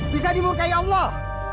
bisa dimurkai allah